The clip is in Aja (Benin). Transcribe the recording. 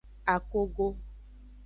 Akogo.